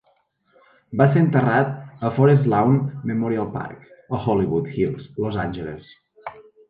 Va ser enterrat a Forest Lawn Memorial Park, a Hollywood Hills, Los Angeles.